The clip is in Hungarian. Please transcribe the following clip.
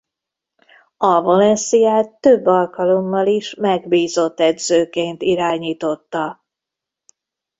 A Valenciat több alkalommal is megbízott edzőként irányította.